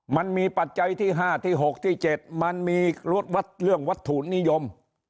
มันมีปัจจัยที่ห้าที่หกที่เจ็ดมันมีเรื่องวัตถุนิยม